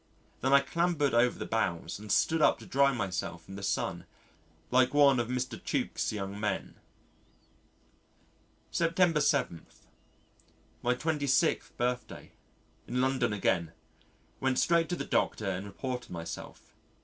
Then I clambered over the bows and stood up to dry myself in the sun like one of Mr. Tuke's young men. September 7. My 26th birthday. In London again. Went straight to the Doctor and reported myself.